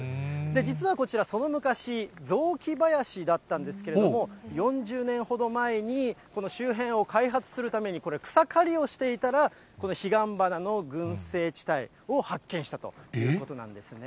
実はこちら、その昔、雑木林だったんですけれども、４０年ほど前に、この周辺を開発するために、これ、草刈りをしていたら、彼岸花の群生地帯を発見したということなんですね。